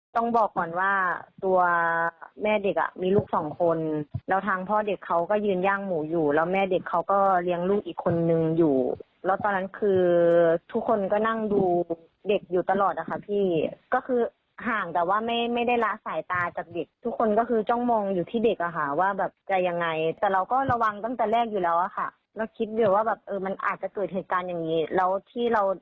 ต้องบอกก่อนว่าตัวแม่เด็กอ่ะมีลูกสองคนแล้วทางพ่อเด็กเขาก็ยืนย่างหมูอยู่แล้วแม่เด็กเขาก็เลี้ยงลูกอีกคนนึงอยู่แล้วตอนนั้นคือทุกคนก็นั่งดูเด็กอยู่ตลอดอ่ะค่ะพี่ก็คือห่างแต่ว่าไม่ไม่ได้ละสายตาจากเด็กทุกคนก็คือจ้องมองอยู่ที่เด็กอ่ะค่ะว่าแบบจะยังไงแต่เราก็ระวังตั้งแต่แรกอยู่แล้วอ่ะค่ะแล้